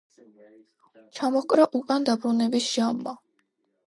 ჩამოჰკრა უკან დაბრუნების ჟამმა